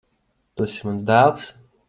Tu esi mans dēls?